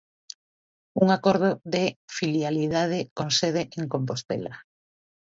Un acordo de filialidade con sede en Compostela.